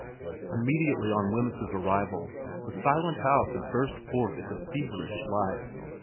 Immediately on Wemyss's arrival the silent house had burst into feverish life.